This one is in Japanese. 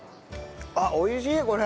あっ美味しいこれ！